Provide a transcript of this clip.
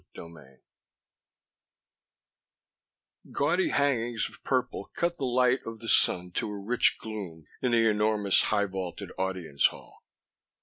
CHAPTER XV Gaudy hangings of purple cut the light of the sun to a rich gloom in the enormous, high vaulted Audience Hall.